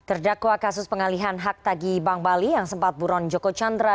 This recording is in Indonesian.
terdakwa kasus pengalihan hak tagi bank bali yang sempat buron joko chandra